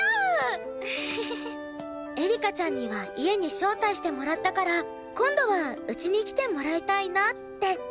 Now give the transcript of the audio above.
エリカちゃんには家に招待してもらったから今度はうちに来てもらいたいなって。